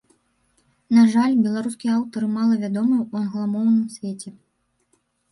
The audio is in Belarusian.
На жаль, беларускія аўтары мала вядомыя ў англамоўным свеце.